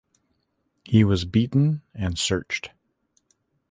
He was beaten and searched.